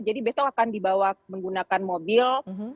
jadi besok akan dibawa menggunakan mobil